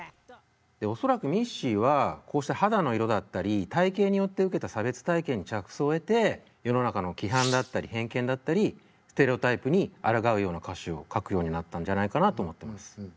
で恐らくミッシーはこうした肌の色だったり体型によって受けた差別体験に着想を得て世の中の規範だったり偏見だったりステレオタイプにあらがうような歌詞を書くようになったんじゃないかなと思ってます。